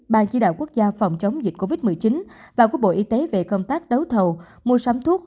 ban chỉ đạo quốc gia phòng chống dịch covid một mươi chín và của bộ y tế về công tác đấu thầu mua sắm thuốc